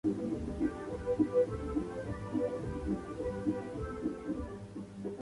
En la parroquia existía ya una antigua tradición de hermandades.